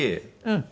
うん。